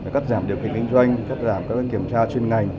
cắt giảm điều kiện kinh doanh cắt giảm các kiểm tra chuyên ngành